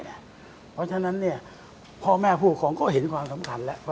เพราะฉะนั้นพ่อแม่ผู้ปกครองก็เห็นความสำคัญแล้ว